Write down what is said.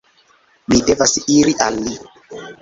"Mi devas iri al li!"